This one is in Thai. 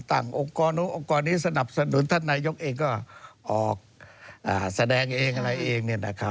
องค์กรนู้นองค์กรนี้สนับสนุนท่านนายกเองก็ออกแสดงเองอะไรเอง